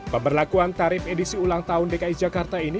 pemberlakuan tarif edisi ulang tahun dki jakarta ini